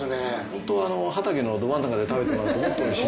ホントは畑のド真ん中で食べてもらうともっとおいしい。